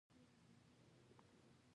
ښکاري د ښکار کولو هنر لري.